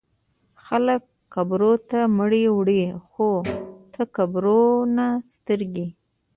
خلک قبرو ته مړي وړي خو ته قبرونه سترګې